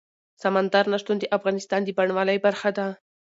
سمندر نه شتون د افغانستان د بڼوالۍ برخه ده.